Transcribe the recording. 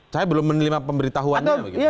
saya belum menerima pemberitahuannya